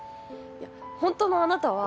いや本当のあなたは。